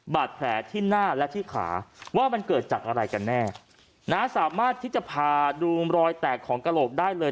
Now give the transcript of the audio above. บาดแผลที่หน้าและที่ขาว่ามันเกิดจากอะไรกันแน่น้าสามารถที่จะพาดูรอยแตกของกระโหลกได้เลย